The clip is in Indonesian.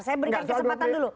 saya berikan kesempatan dulu